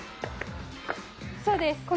そうです。